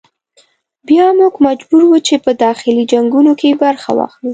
بیا موږ مجبور وو چې په داخلي جنګونو کې برخه واخلو.